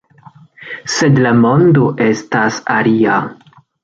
Sed la mondo estas alia.